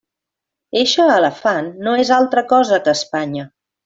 Eixe elefant no és altra cosa que Espanya.